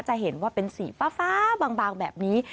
จะเห็นว่าเป็นสีฟ้าบางแบบนี้